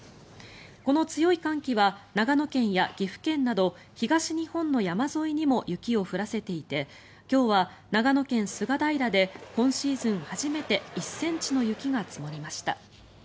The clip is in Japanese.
この強い寒気は長野県や岐阜県など東日本の山沿いにも雪を降らせていて今日は長野県・菅平で今シーズン初めて１ｃｍの雪が積もりました。